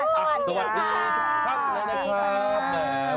สวัสดีครับ